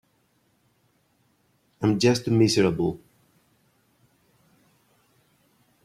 I'm just too miserable.